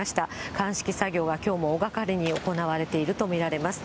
鑑識作業がきょうも大がかりに行われているものと見られます。